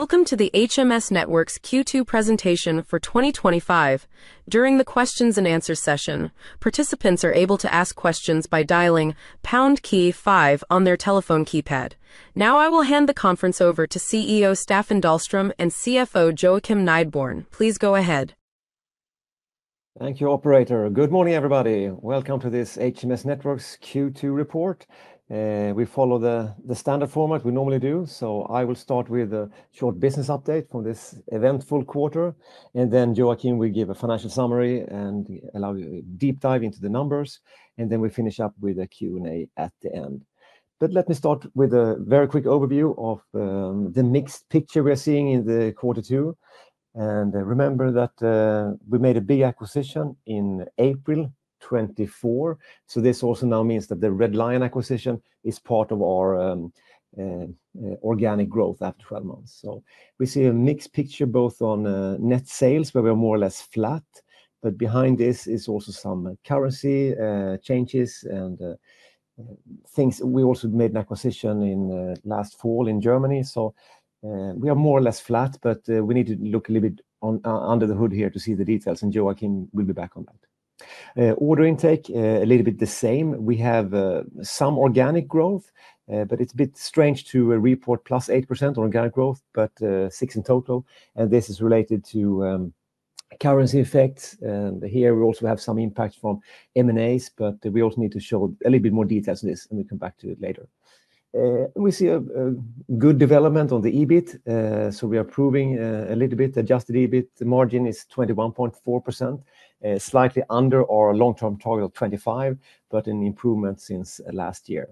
Welcome to the HMS Networks Q2 Presentation for 2025. Now I will hand the conference over to CEO, Staffan you, operator. Good morning, everybody. Welcome to this HMS Networks Q2 report. We follow the standard format we normally do. So I will start with a short business update from this eventful quarter, and then Joakim will give a financial summary and allow you a deep dive into the numbers, and then we finish up with a Q and A at the end. But let me start with a very quick overview of the mixed picture we are seeing in the quarter two. And remember that we made a big acquisition in April 24, so this also now means that the Red Lion acquisition is part of our organic growth after twelve months. So we see a mixed picture both on net sales, where we're more or less flat, but behind this is also some currency changes and things. We also made an acquisition in last fall in Germany. So we are more or less flat, but we need to look a little bit under the hood here to see the details, and Joakim will be back on that. Order intake, a little bit the same. We have some organic growth, but it's a bit strange to report plus 8% organic growth, but 6% in total. And this is related to currency effects. And here, we also have some impact from M and As, but we also need to show a little bit more details on this, and we'll come back to it later. We see a good development of the EBIT, so we are proving a little bit. Adjusted EBIT margin is 21.4%, slightly under our long term target of twenty five percent, but an improvement since last year.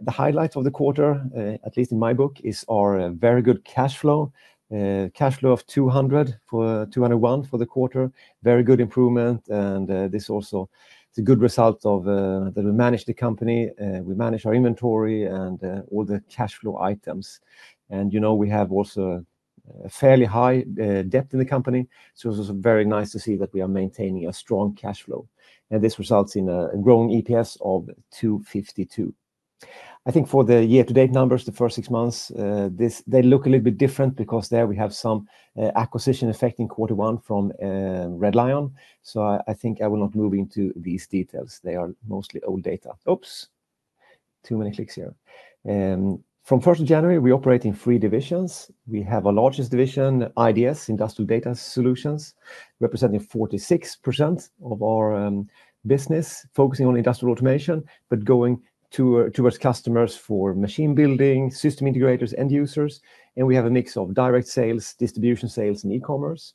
The highlights of the quarter, at least in my book, is our very good cash flow. Cash flow of SEK $2.00 1 for the quarter, very good improvement. And this also is a good result of that we manage the company, we manage our inventory and all the cash flow items. And we have also a fairly high debt in the company, it was very nice to see that we are maintaining a strong cash flow. And this results in a growing EPS of 2.52. I think for the year to date numbers, the first six months, they look a little bit different because there we have some acquisition effect in quarter one from Red Lion. So I think I will not move into these details. They are mostly old data. Oops, too many clicks here. From January 1, we operate in three divisions. We have a largest division, IDS, Industrial Data Solutions, representing 46% of our business, focusing on industrial automation, but going towards customers for machine building, system integrators, end users. And we have a mix of direct sales, distribution sales and e commerce.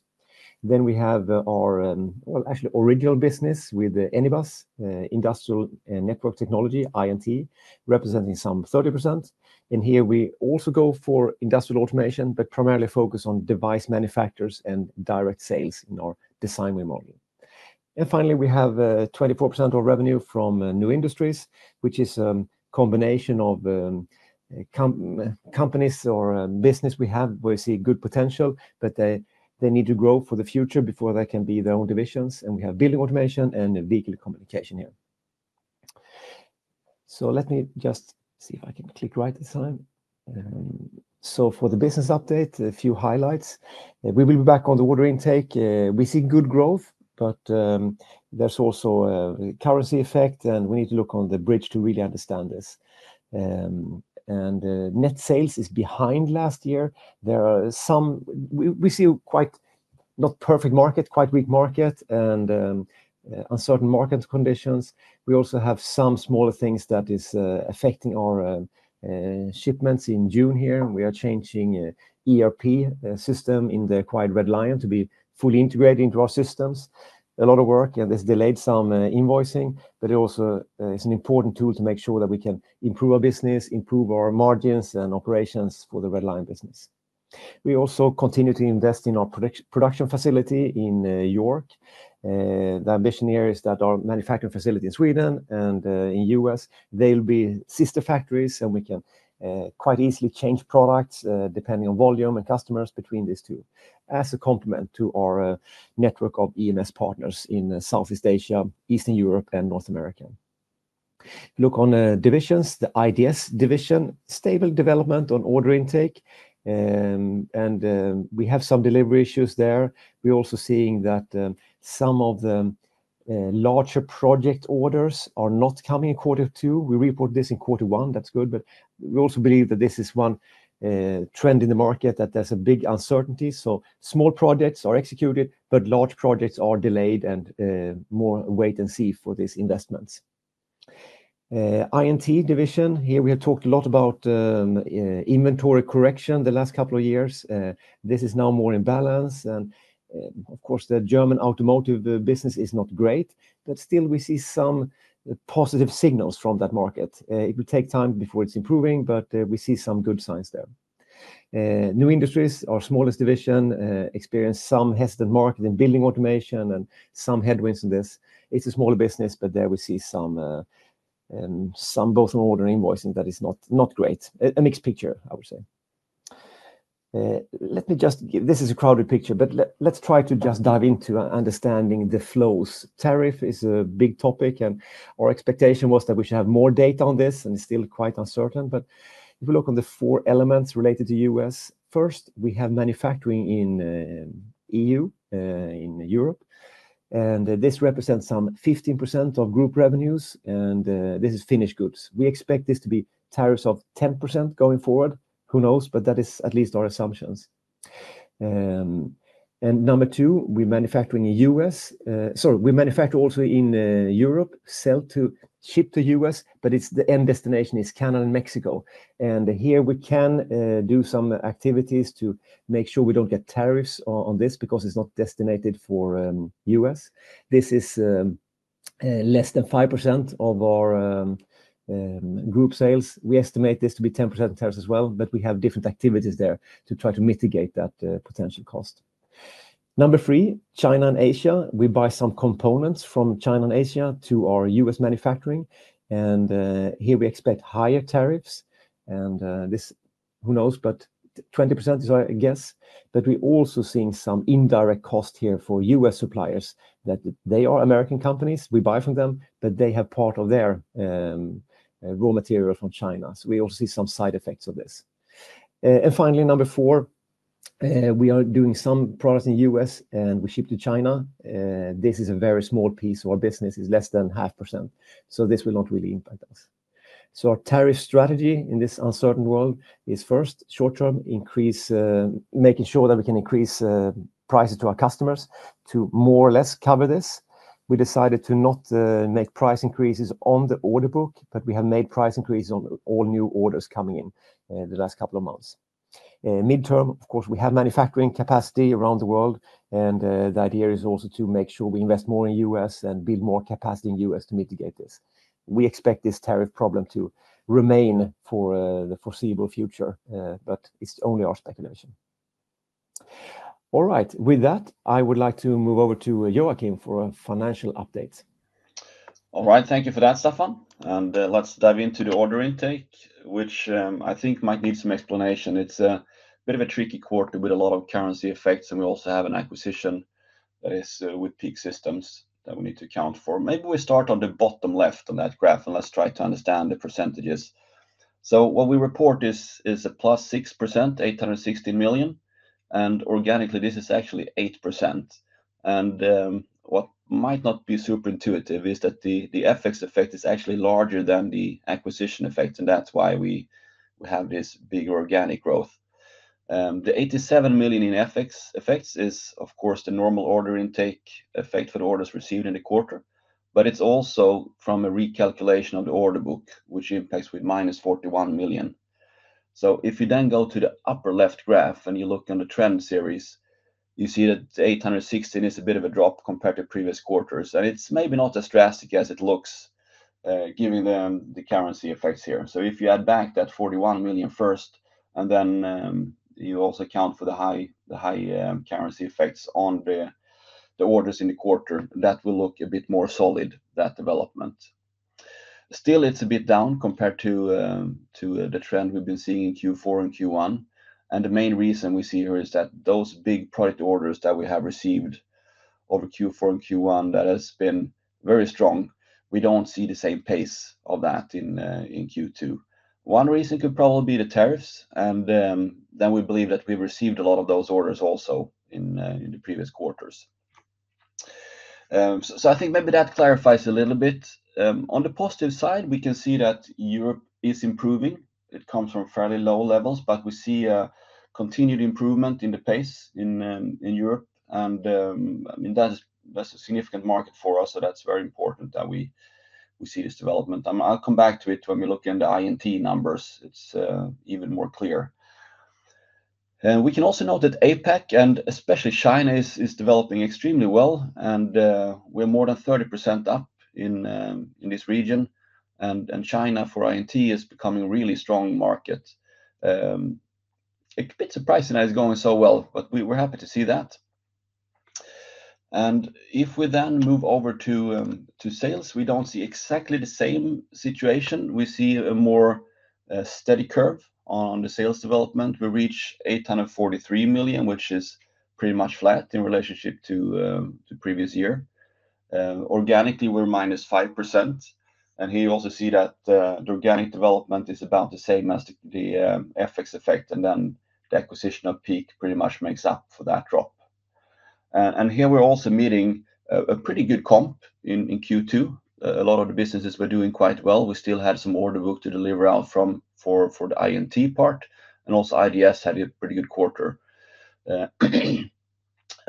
Then we have our well, actually, original business with Anybus, Industrial Network Technology, INT, representing some 30%. And here, we also go for industrial automation, but primarily focus on device manufacturers and direct sales in our design win model. And finally, have 24% of revenue from new industries, which is a combination of companies or business we have where we see good potential, but they need to grow for the future before they can be their own divisions. And we have building automation and vehicle communication here. So let me just see if I can click right this time. So for the business update, a few highlights. We will be back on the order intake. We see good growth, but there's also a currency effect, and we need to look on the bridge to really understand this. And net sales is behind last year. There are some we see quite not perfect market, quite weak market and uncertain market conditions. We also have some smaller things that is affecting our shipments in June here. We are changing ERP system in the acquired Red Lion to be fully integrated into our systems. A lot of work and this delayed some invoicing, but it also is an important tool to make sure that we can improve our business, improve our margins and operations for the Red Lion business. We also continue to invest in our production facility in York. The ambition here is that our manufacturing facility in Sweden and in U. S, they'll be sister factories and we can quite easily change products depending on volume and customers between these two as a complement to our network of EMS partners in Southeast Asia, Eastern Europe and North America. Look on divisions, the IDS division, stable development on order intake, and we have some delivery issues there. We're also seeing that some of the larger project orders are not coming in quarter two. We reported this in quarter one, that's good. But we also believe that this is one trend in the market that there's a big uncertainty. So small projects are executed, but large projects are delayed and more wait and see for these investments. INT division, here we have talked a lot about inventory correction the last couple of years. This is now more in balance. And of course, the German automotive business is not great, but still we see some positive signals from that market. It will take time before it's improving, but we see some good signs there. New Industries, our smallest division, experienced some hesitant market in building automation and some headwinds in this. It's a smaller business, but there we see some both in order invoicing that is not great, a mixed picture, I would say. Let me just this is a crowded picture, but let's try to just dive into understanding the flows. Tariff is a big topic and our expectation was that we should have more data on this and it's still quite uncertain. But if we look on the four elements related to U. S. First, we have manufacturing in EU, in Europe, and this represents some 15% of group revenues, and this is finished goods. We expect this to be tariffs of 10% going forward, who knows, but that is at least our assumptions. And number two, we manufacture in The U. S. Sorry, we manufacture also in Europe, sell to ship to U. S, but it's the end destination is Canada and Mexico. And here, we can do some activities to make sure we don't get tariffs on this because it's not designated for U. S. This is less than 5% of our group sales. We estimate this to be 10% of tariffs as well, but we have different activities there to try to mitigate that potential cost. Number three, China and Asia. We buy some components from China and Asia to our U. S. Manufacturing. And here, we expect higher tariffs. And this, who knows, but 20% is our guess, but we're also seeing some indirect cost here for U. S. Suppliers that they are American companies, we buy from them, but they have part of their raw material from China. So we also see some side effects of this. And finally, number four, we are doing some products in The U. S, and we ship to China. This is a very small piece of our business, it's less than 05%. So this will not really impact us. So our tariff strategy in this uncertain world is first, short term, increase making sure that we can increase prices to our customers to more or less cover this. We decided to not make price increases on the order book, but we have made price increases on all new orders coming in the last couple of months. Mid term, of course, we have manufacturing capacity around the world and the idea is also to make sure we invest more in U. S. And build more capacity in U. S. To mitigate this. We expect this tariff problem to remain for the foreseeable future, but it's only our speculation. All right. With that, I would like to move over to Joakim for a financial update. Alright. Thank you for that, Stefan. And let's dive into the order intake, which I think might need some explanation. It's a bit of a tricky quarter with a lot of currency effects, and we also have an acquisition that is with peak systems that we need to account for. Maybe we start on the bottom left on that graph, and let's try to understand the percentages. So what we report is is a plus 6%, 860,000,000, and organically, this is actually 8%. And, what might not be super intuitive is that the the FX effect is actually larger than the acquisition effect, and that's why we have this big organic growth. The 87,000,000 in FX effects is, of course, the normal order intake effect for the orders received in the quarter, but it's also from a recalculation of the order book, which impacts with minus 41,000,000. So if you then go to the upper left graph and you look on the trend series, you see that the 816 is a bit of a drop compared to previous quarters. And it's maybe not as drastic as it looks, giving them the currency effects here. So if you add back that 41,000,000 first, and then you also account for the high the high, currency effects on the the orders in the quarter, that will look a bit more solid, that development. Still, it's a bit down compared to, to the trend we've been seeing in q four and q one. And the main reason we see here is that those big product orders that we have received over q four and q one that has been very strong, we don't see the same pace of that in in q two. One reason could probably be the tariffs, and then we believe that we received a lot of those orders also in, in the previous quarters. So I think maybe that clarifies a little bit. On the positive side, we can see that Europe is improving. It comes from fairly low levels, but we see a continued improvement in the pace in in Europe. And, I mean, that's that's a significant market for us, so that's very important that we we see this development. I'll come back to it when we look in the INT numbers. It's even more clear. And we can also note that APAC and especially China is is developing extremely well, and we're more than 30% up in in this region. And and China for INT is becoming a really strong market. A bit surprising that it's going so well, but we we're happy to see that. And if we then move over to, to sales, we don't see exactly the same situation. We see a more steady curve on the sales development. We reached 843,000,000, which is pretty much flat in relationship to, to previous year. Organically, we're minus 5%. And here, also see that organic development is about the same as the FX effect, and then the acquisition of Peak pretty much makes up for that drop. And here, we're also meeting a pretty good comp in in q two. A lot of the businesses were doing quite well. We still had some order book to deliver out from for for the INT part, and also IDS had a pretty good quarter. And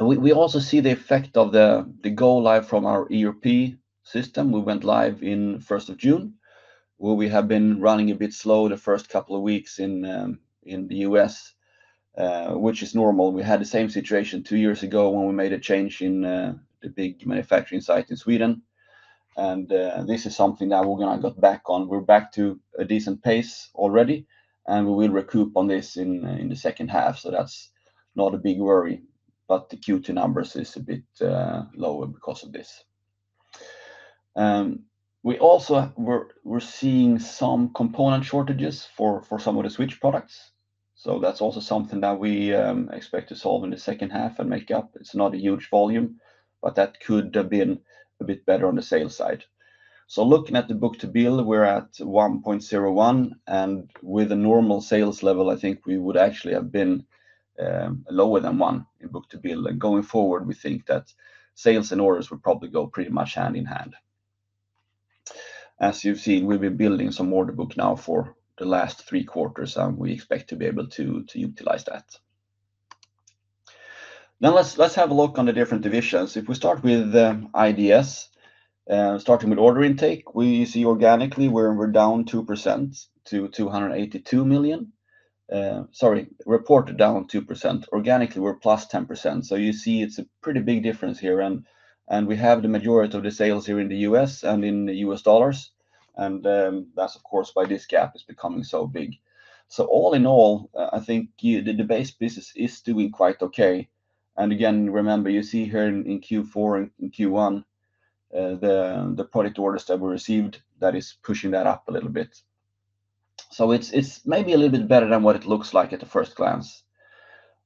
we we also see the effect of the the go live from our ERP system. We went live in June 1, where we have been running a bit slow the first couple of weeks in in The US, which is normal. We had the same situation two years ago when we made a change in the big manufacturing site in Sweden. And, this is something that we're gonna get back on. We're back to a decent pace already, and we will recoup on this in in the second half. So that's not a big worry, but the q two numbers is a bit, lower because of this. We also we're we're seeing some component shortages for for some of the switch products. So that's also something that we, expect to solve in the second half and make up. It's not a huge volume, but that could have been a bit better on the sales side. So looking at the book to bill, we're at 1.01. And with a normal sales level, I think we would actually have been, lower than one in book to bill. And going forward, we think that sales and orders would probably go pretty much hand in hand. As you've seen, we've been building some order book now for the last three quarters, and we expect to be able to to utilize that. Now let's let's have a look on the different divisions. If we start with, IDS, starting with order intake, we see organically, we're we're down 2% to 282,000,000. Sorry. Reported down 2%. Organically, we're plus 10%. So you see it's a pretty big difference here, and and we have the majority of the sales here in The US and in The US dollars. And, that's, of course, why this gap is becoming so big. So all in all, I think you the the base business is doing quite okay. And, again, remember, you see here in in q four and q one, the the product orders that we received that is pushing that up a little bit. So it's it's maybe a little bit better than what it looks like at the first glance.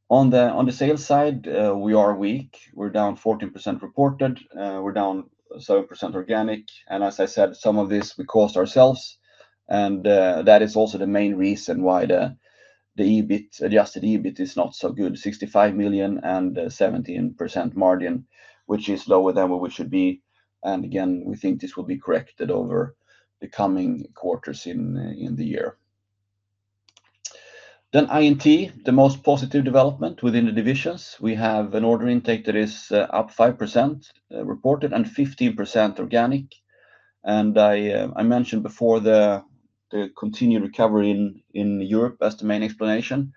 On the on the sales side, we are weak. We're down 14% reported. We're down 7% organic. And as I said, some of this we cost ourselves, And that is also the main reason why the EBIT adjusted EBIT is not so good, 65,000,017 percent margin, which is lower than what we should be. And again, we think this will be corrected over the coming quarters in in the year. Then I and T, the most positive development within the divisions. We have an order intake that is up 5% reported and 15% organic. And I, I mentioned before the the continued recovery in in Europe as the main explanation.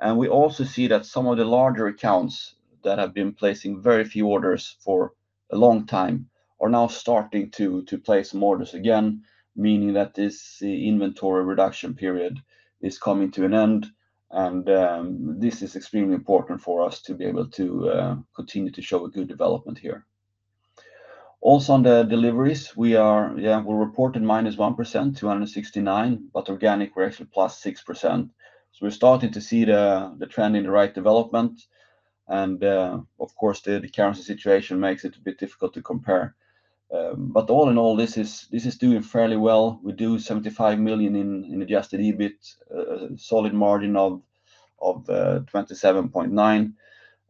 And we also see that some of the larger accounts that have been placing very few orders for a long time are now starting to to place more orders again, meaning that this inventory reduction period is coming to an end, and, this is extremely important for us to be able to, continue to show a good development here. Also on the deliveries, we are, yeah, we reported minus 1%, 269, but organic, we're actually plus 6%. So we're starting to see the the trend in the right development. And, of course, the the currency situation makes it a bit difficult to compare. But all in all, this is this is doing fairly well. We do 75,000,000 in in adjusted EBIT, solid margin of of, 27.9.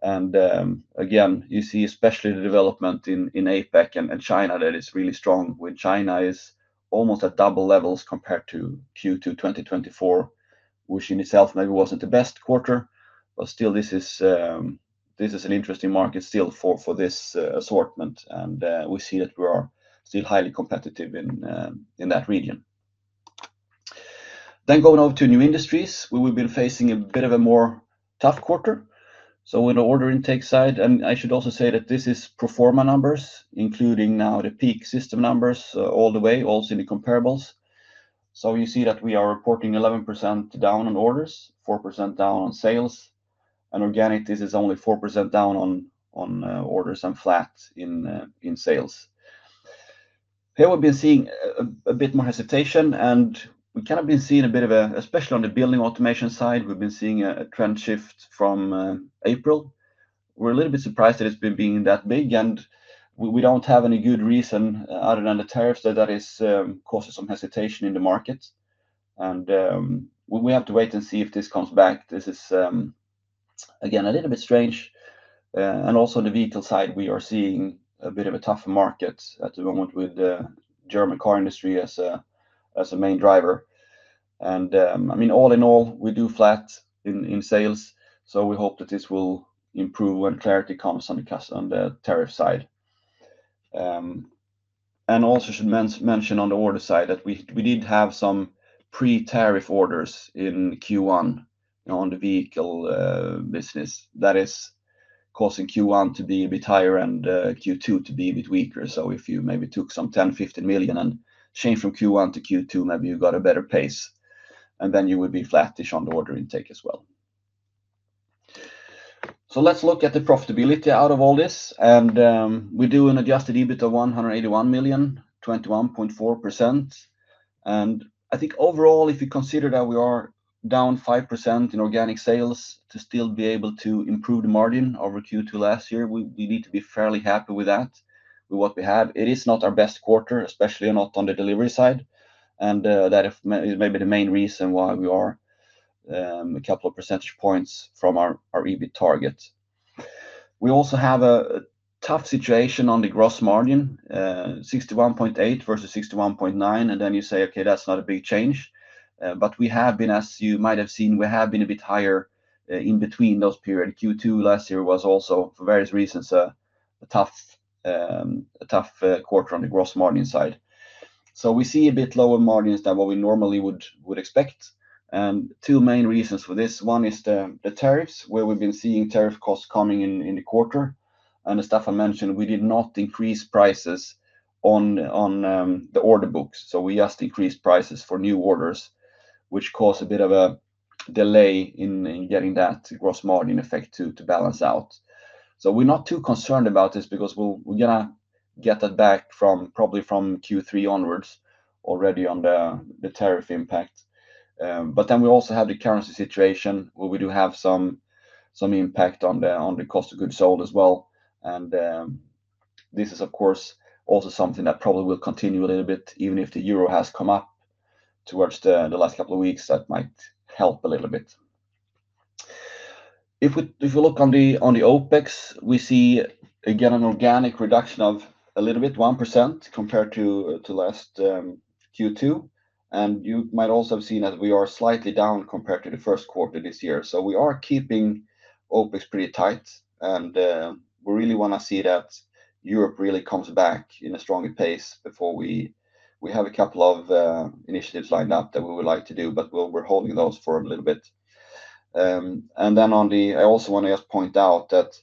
And, again, you see especially the development in in APAC and and China that is really strong with China is almost at double levels compared to q two twenty twenty four, which in itself maybe wasn't the best quarter. But still, this is, this is an interesting market still for for this assortment, and, we see that we are still highly competitive in, in that region. Then going over to new industries, where we've been facing a bit of a more tough quarter. So with the order intake side and I should also say that this is pro form a numbers, including now the peak system numbers, all the way, also the comparables. So you see that we are reporting 11 down on orders, 4% down on sales. And organic, this is only 4% down on on orders and flat in, in sales. Here, we've been seeing a bit more hesitation, and we kind of been seeing a bit of a especially on the building automation side, we've been seeing a a trend shift from April. We're a little bit surprised that it's been being that big, and we we don't have any good reason other than the tariffs, so that is causes some hesitation in the market. And we have to wait and see if this comes back. This is, again, a little bit strange. And also on the vehicle side, we are seeing a bit of a tougher market at the moment with the German car industry as a as a main driver. And, I mean, all in all, we do flat in in sales, so we hope that this will improve when clarity comes on the on the tariff side. And also should mention on the order side that we we did have some pre tariff orders in q one on the vehicle, business that is causing q one to be a bit higher and, q two to be a bit weaker. So if you maybe took some $1,015,000,000 and change from q one to q two, maybe you got a better pace, and then you would be flattish on the order intake as well. So let's look at the profitability out of all this. And, we do an adjusted EBIT of 181,000,000, 21.4%. And I think overall, if you consider that we are down 5% in organic sales to still be able to improve the margin over q two last year, we we need to be fairly happy with that, with what we have. It is not our best quarter, especially not on the delivery side, and that is maybe the main reason why we are a couple of percentage points from our our EBIT target. We also have a tough situation on the gross margin, 61.8 versus 61.9, and then you say, okay. That's not a big change. But we have been as you might have seen, we have been a bit higher in between those period. Q two last year was also, for various reasons, a tough, a tough quarter on the gross margin side. We see a bit lower margins than what we normally would would expect. And two main reasons for this. One is the the tariffs, where we've been seeing tariff costs coming in in the quarter. And as Stefan mentioned, we did not increase prices on on, the order books. So we just increased prices for new orders, which caused a bit of a delay in in getting that gross margin effect to to balance out. So we're not too concerned about this because we'll we're gonna get that back from probably from q three onwards already on the the tariff impact. But then we also have the currency situation where we do have some some impact on the on the cost of goods sold as well. And this is, of course, also something that probably will continue a little bit even if the euro has come up towards the the last couple of weeks that might help a little bit. If we if we look on the on the OpEx, we see, again, an organic reduction of a little bit 1% compared to to last q two. And you might also have seen that we are slightly down compared to the first quarter this year. So we are keeping OpEx pretty tight, and we really wanna see that Europe really comes back in a stronger pace before we we have a couple of initiatives lined up that we would like to do, but we'll we're holding those for a little bit. And then on the I also wanna just point out that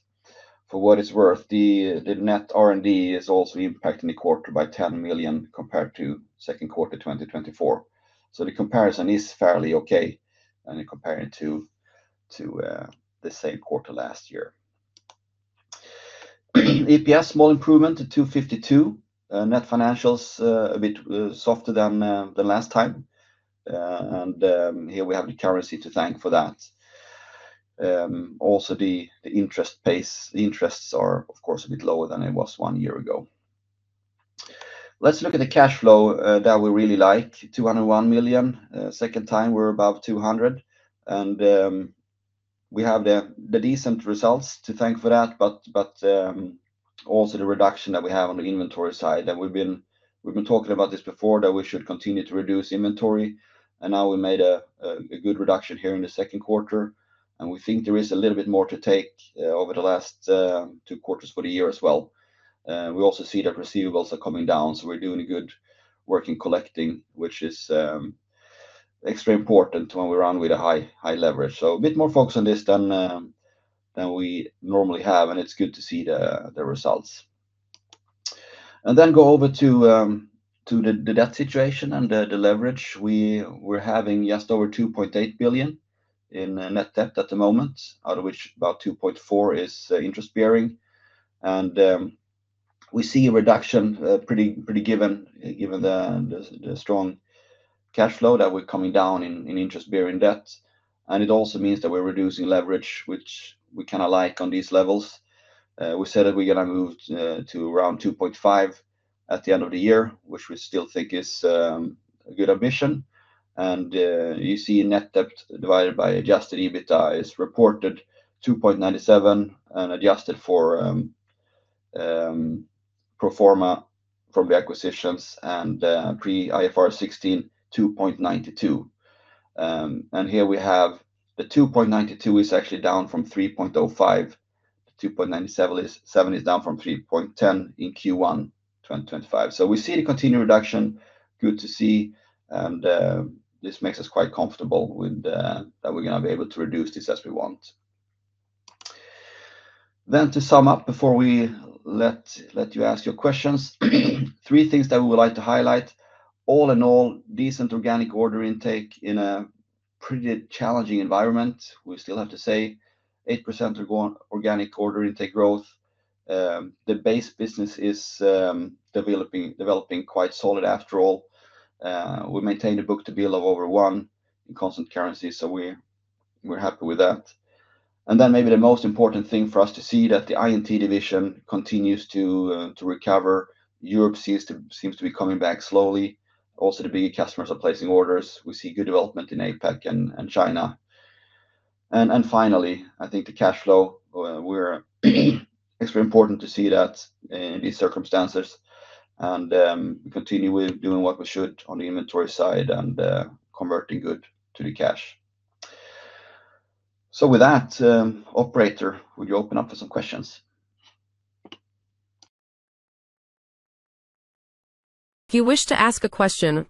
for what it's worth, the the net r and d is also impacting the quarter by 10,000,000 compared to second quarter twenty twenty four. So the comparison is fairly okay when you compare it to to the same quarter last year. EPS, small improvement to $2.52. Net financials, a bit softer than the last time. And here we have the currency to thank for that. Also, the the interest pays the interests are, of course, a bit lower than it was one year ago. Let's look at the cash flow, that we really like, 201,000,000. Second time, we're above 200. And we have the the decent results to thank for that, but but, also the reduction that we have on the inventory side that we've been we've been talking about this before that we should continue to reduce inventory. And now we made a good reduction here in the second quarter, and we think there is a little bit more to take over the last two quarters for the year as well. We also see that receivables are coming down, so we're doing a good work in collecting, which is, extremely important when we run with a high high leverage. So a bit more focus on this than than we normally have, and it's good to see the the results. And then go over to, to the the debt situation and the the leverage. We were having just over 2,800,000,000.0 in net debt at the moment, out of which about 2.4 is interest bearing. And we see a reduction pretty pretty given given the the the strong cash flow that we're coming down in in interest bearing debt. And it also means that we're reducing leverage, which we kinda like on these levels. We said that we're gonna move to around 2.5 at the end of the year, which we still think is a good admission. And you see net debt divided by adjusted EBITDA is reported 2.97 and adjusted for pro form a from the acquisitions and pre IFRS '16, 2.92. And here we have the 2.92 is actually down from three point o five. 2.97 is seven is down from 3.1 in q one twenty twenty five. So we see a continued reduction. Good to see, and this makes us quite comfortable with the that we're gonna be able to reduce this as we want. Then to sum up before we let let you ask your questions, three things that we would like to highlight. All in all, decent organic order intake in a pretty challenging environment. We still have to say 8% organic order intake growth. The base business is developing developing quite solid after all. We maintain a book to bill of over one in constant currency, so we're we're happy with that. And then maybe the most important thing for us to see that the I and t division continues to to recover. Europe seems to seems to be coming back slowly. Also, big customers are placing orders. We see good development in APAC and and China. And and finally, I think the cash flow, we're it's very important to see that in these circumstances and continue with doing what we should on the inventory side and converting good to the cash. So with that, operator, would you open up for some questions? The next question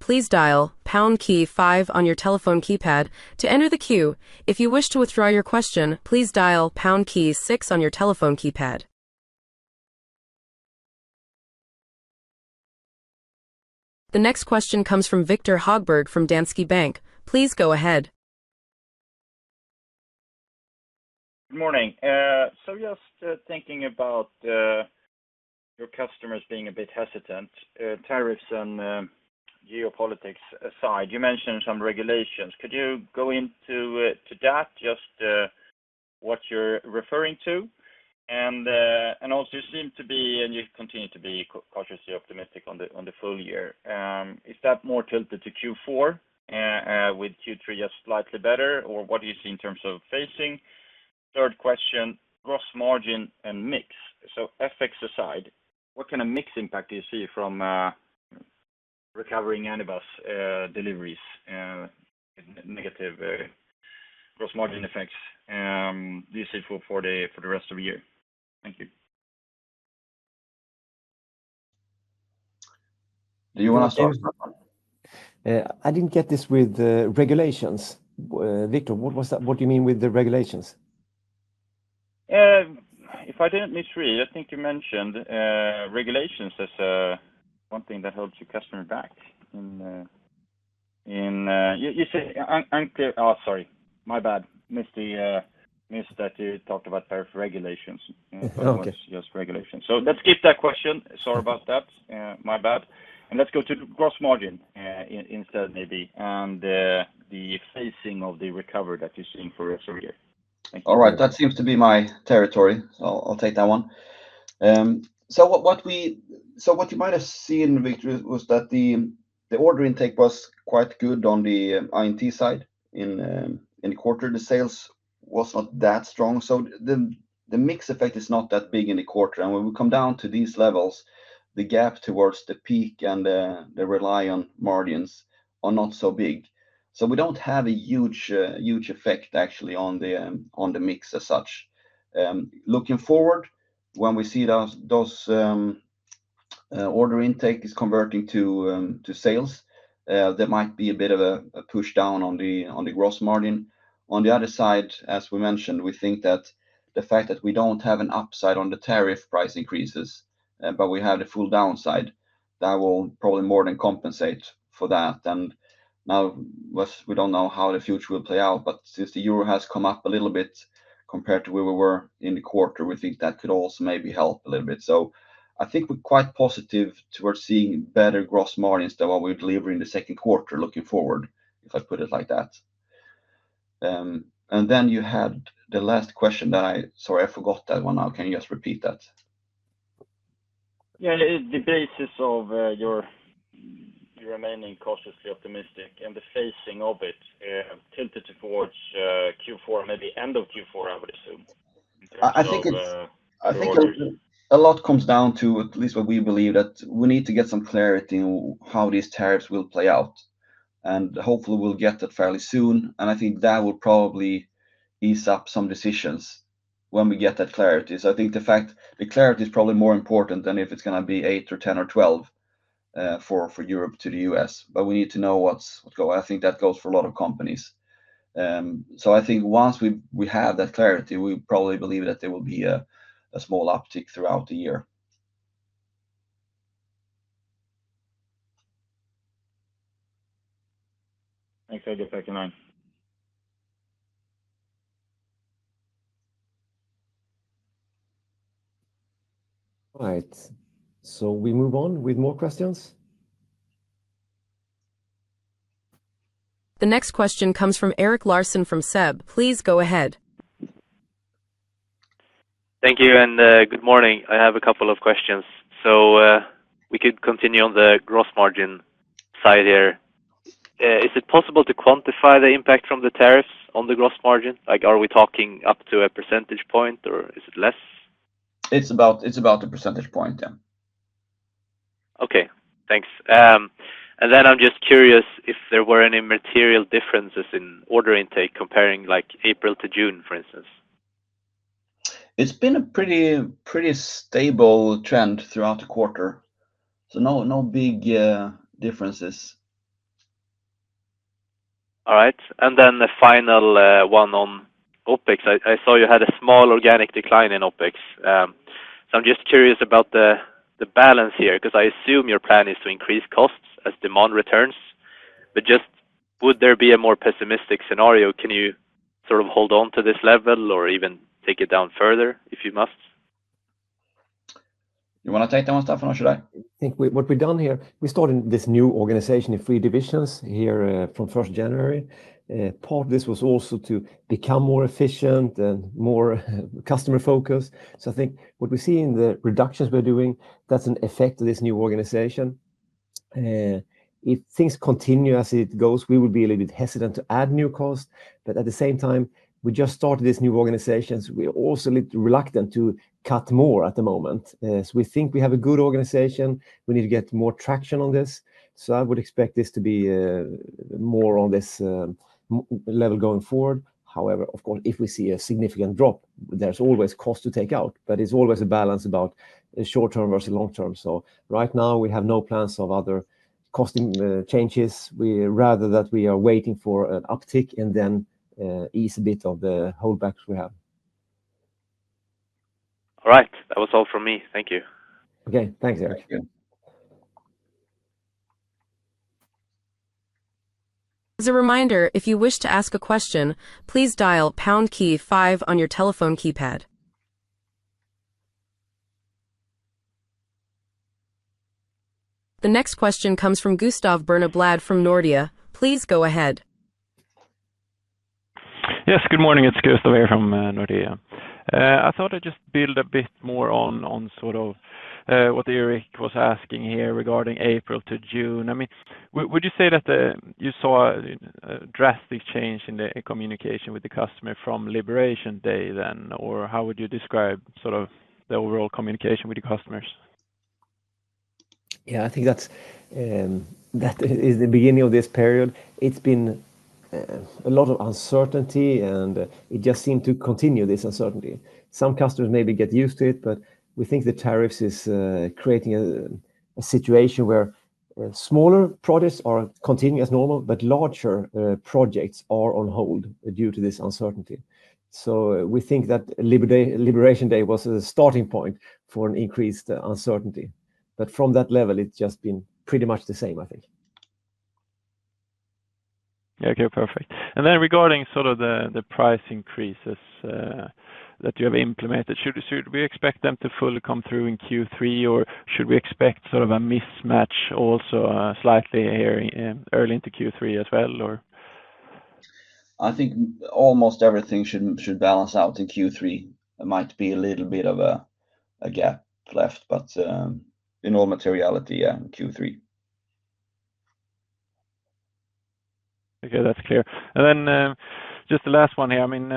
comes from Victor Hogberg from Danske Bank. Please go ahead. Good morning. So just thinking about your customers being a bit hesitant, tariffs and geopolitics aside. You mentioned some regulations. Could you go into to that, just what you're referring to? And also, you seem to be and you continue to be cautiously optimistic on full year. Is that more tilted to Q4 with Q3 just slightly better? Or what do you see in terms of phasing? Third question, gross margin and mix. So FX aside, what kind of mix impact do you see from recovering any of us deliveries and negative gross margin effects do you say for the rest of the year? Thank you. Do you want to start? I didn't get this with regulations. Victor, what was that? What do you mean with the regulations? If I didn't misread, I think you mentioned regulations as one thing that holds your customer back in you you say I'm I'm clear oh, sorry. My bad. Missed the missed that you talked about tariff regulations. Okay. Just regulation. So let's skip that question. Sorry about that. My bad. And let's go to the gross margin instead maybe and the phasing of the recovery that you're seeing for rest of the year. Thank you. Alright. That seems to be my territory. So I'll take that one. So what what we so what you might have seen, Victor, was that the the order intake was quite good on the IT side in in the quarter. The sales was not that strong. So the the mix effect is not that big in the quarter. And when we come down to these levels, the gap towards the peak and the the rely on margins are not so big. So we don't have a huge, huge effect actually on the, on the mix as such. Looking forward, when we see those those order intake is converting to, to sales, there might be a bit of a push down on the on the gross margin. On the other side, as we mentioned, we think that the fact that we don't have an upside on the tariff price increases, but we have the full downside, that will probably more than compensate for that. And now but we don't know how the future will play out. But since the euro has come up a little bit compared to where we were in the quarter, we think that could also maybe help a little bit. So I think we're quite positive towards seeing better gross margins than what we deliver in the second quarter looking forward, if I put it like that. And then you had the last question that I sorry. I forgot that one now. Can you just repeat that? Yeah. The basis of your remaining cautiously optimistic and the phasing of it, have tended towards, q four, maybe end of q four, I would assume. I I think it's I think a lot comes down to at least what we believe that we need to get some clarity on how these tariffs will play out. And, hopefully, we'll get that fairly soon, and I think that will probably ease up some decisions when we get that clarity. So I think the fact the clarity is probably more important than if it's gonna be eight or 10 or 12 for for Europe to The US, but we need to know what's go I think that goes for a lot of companies. So I think once we we have that clarity, we probably believe that there will be a small uptick throughout the year. Thanks, The next question comes from Erik Larson from SEB. I have a couple of questions. So we could continue on the gross margin side here. Is it possible to quantify the impact from the tariffs on the gross margin? Like are we talking up to a percentage point? Or is it less? It's about a percentage point, yes. Okay. Thanks. And then I'm just curious if there were any material differences in order intake comparing like April to June, for instance. It's been a pretty, pretty stable trend throughout the quarter. So no big differences. All right. And then the final one on OpEx. I saw you had a small organic decline in OpEx. So I'm just curious about the balance here because I assume your plan is to increase costs as demand returns. But just would there be a more pessimistic scenario? Can you sort of hold on to this level or even take it down further, if you must? You want to take that one, Stefan, or should I? I think what we've done here, we started this new organization in three divisions here from first January. Part of this was also to become more efficient and more customer focused. So I think what we see in the reductions we're doing that's an effect of this new organization. If things continue as it goes, we would be a little bit hesitant to add new cost. But at the same time, we just started this new organization. So we are also a little reluctant to cut more at the moment. So we think we have a good organization. We need to get more traction on this. So I would expect this to be more on this level going forward. However, of course, if we see a significant drop, there's always cost to take out. But it's always a balance about short term versus long term. So right now, we have no plans of other costing changes. We rather that we are waiting for an uptick and then ease a bit of the holdbacks we have. The next question comes from Gustav Birneblad from Nordea. Please go ahead. Yes, good morning. It's Gustav Birneblad from Nordea. I thought I'd just build a bit more on sort of what Erik was asking here regarding April to June. I mean would you say that you saw a drastic change in the communication with customer from Liberation Day then? Or how would you describe sort of the overall communication with the customers? Yes. I think that's that is the beginning of this period. It's been a lot of uncertainty, and it just seemed to continue this uncertainty. Some customers maybe get used to it, but we think the tariffs is creating a situation where smaller projects are continuing as normal, but larger projects are on hold due to this uncertainty. So we think that Liberation Day was a starting point for an increased uncertainty. But from that level, it's just been pretty much the same, I think. Okay, perfect. And then regarding sort of the price increases that you have implemented, should we expect them to fully come through in Q3? Or should we expect sort of a mismatch also, slightly here early into q three as well? Or I think almost everything should should balance out in q three. There might be a little bit of a a gap left, but, in all materiality, yeah, in q three. Okay. That's clear. And then just the last one here. I mean,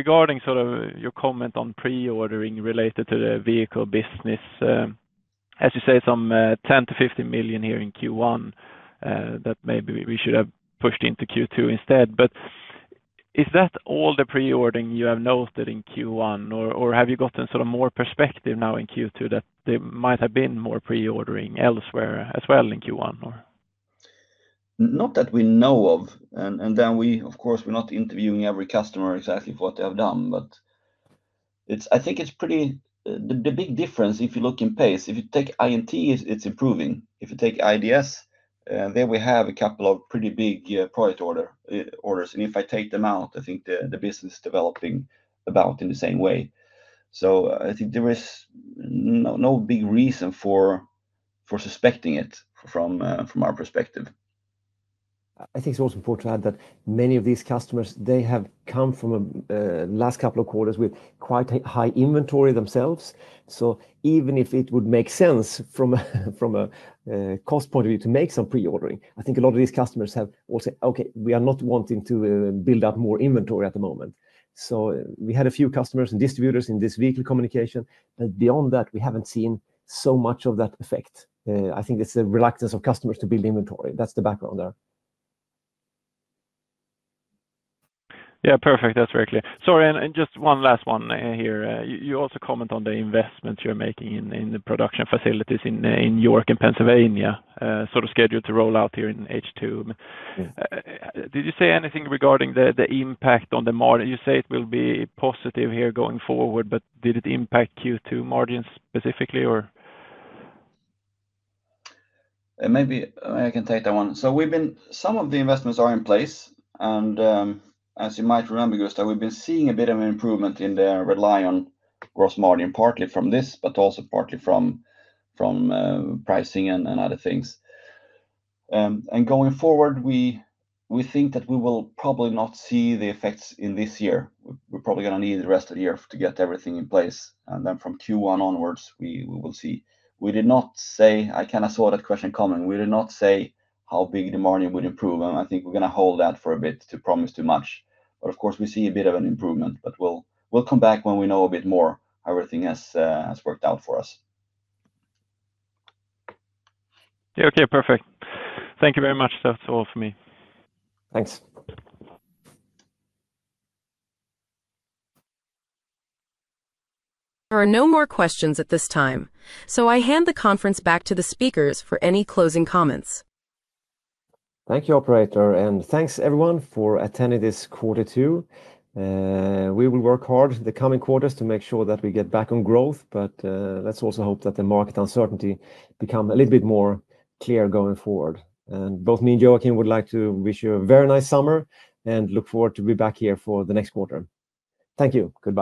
regarding sort of your comment on preordering related to the vehicle business, As you say, 10,000,000 to 15,000,000 here in Q1 that maybe we should have pushed into Q2 instead. But is that all the preordering you have noted in Q1? Or have you gotten sort of more perspective now in Q2 that there might have been more preordering elsewhere as well in q one? Or Not that we know of. And and then we of course, we're not interviewing every customer exactly for what they have done, but it's I think it's pretty the the big difference if you look in pace. If you take INT, it's it's improving. If you take IDS, there we have a couple of pretty big, product order orders. And if I take them out, I think the the business developing about in the same way. So I think there is no big reason for suspecting it from our perspective. I think it's also important to add that many of these customers, they have come from last couple of quarters with quite high inventory themselves. So even if it would make sense from a cost point of view to make some preordering, I think a lot of these customers have also, okay, we are not wanting to build up more inventory at the moment. So we had a few customers and distributors in this vehicle communication. But beyond that, we haven't seen so much of that effect. I think it's a reluctance of customers to build inventory. That's the background there. Yes, perfect. That's very clear. Sorry, and just one last one here. You also comment on the investments you're making in the production facilities in New York and Pennsylvania sort of scheduled to roll out here in H2. Did you say anything regarding the impact on the you say it will be positive here going forward, but did it impact Q2 margins specifically? Maybe I can take that one. So we've been some of the investments are in place. And, as you might remember, Gustaf, we've been seeing a bit of an improvement in the rely on gross margin partly from this, but also partly from from pricing and and other things. And going forward, we we think that we will probably not see the effects in this year. We're probably gonna need the rest of the year to get everything in place. And then from q one onwards, we we will see. We did not say I kinda saw that question coming. We did not say how big the margin would improve, and I think we're gonna hold that for a bit to promise too much. But, of course, we see a bit of an improvement, but we'll we'll come back when we know a bit more how everything has, has worked out for us. There are no more questions at this time. So I hand the conference back to the speakers for any closing comments. Thank you, operator, and thanks, everyone, for attending this quarter two. We will work hard in the coming quarters to make sure that we get back on growth, but let's also hope that the market uncertainty become a little bit more clear going forward. And both me and Joakim would like to wish you a very nice summer and look forward to be back here for the next quarter. Thank you. Goodbye.